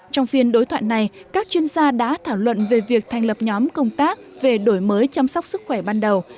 trong phiên đối thoại này các chuyên gia đã thảo luận về việc thành lập nhóm công tác về đổi mới chăm sóc sức khỏe ban đầu